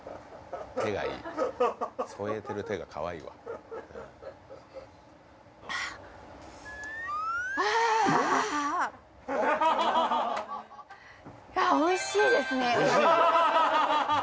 手がいい添えてる手がかわいいわあおいしいでしょう？